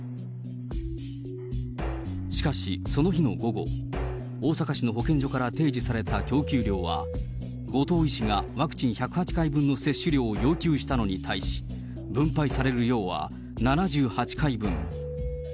しかし、その日の午後、大阪市の保健所から提示された供給量は、後藤医師がワクチン１０８回分の接種量を要求したのに対し、分配される量は７８回分。